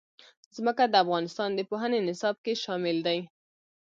ځمکه د افغانستان د پوهنې نصاب کې شامل دي.